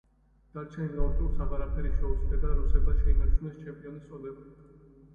დარჩენილ ორ ტურს აღარაფერი შეუცვლია და რუსებმა შეინარჩუნეს ჩემპიონის წოდება.